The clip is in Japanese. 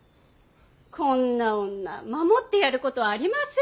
こんな女守ってやることはありません。